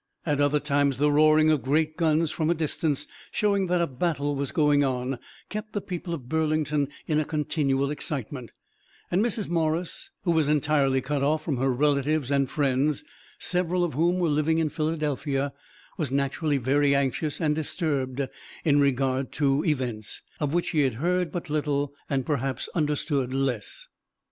At other times the roaring of great guns from a distance, showing that a battle was going on, kept the people of Burlington in a continual excitement; and Mrs. Morris, who was entirely cut off from her relatives and friends, several of whom were living in Philadelphia, was naturally very anxious and disturbed in regard to events, of which she heard but little, and perhaps understood less.